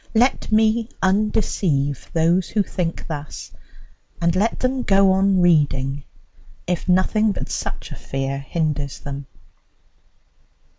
Let me undeceive those who think thus, and let them go on reading, if nothing but such a fear hinders them.